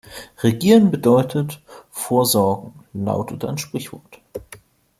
Regieren bedeutet vorsorgen, lautet ein Sprichwort.